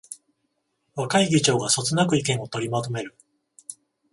若い議長がそつなく意見を取りまとめる